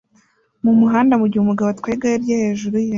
mumuhanda mugihe umugabo atwaye igare rye hejuru ye